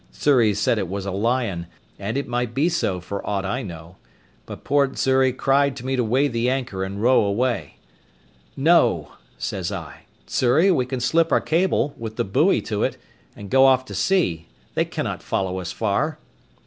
Xury said it was a lion, and it might be so for aught I know; but poor Xury cried to me to weigh the anchor and row away; "No," says I, "Xury; we can slip our cable, with the buoy to it, and go off to sea; they cannot follow us far."